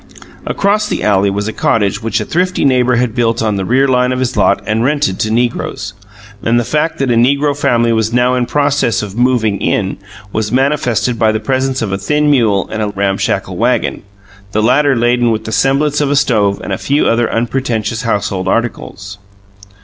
Across the alley was a cottage which a thrifty neighbour had built on the rear line of his lot and rented to negroes; and the fact that a negro family was now in process of "moving in" was manifested by the presence of a thin mule and a ramshackle wagon, the latter laden with the semblance of a stove and a few other unpretentious household articles.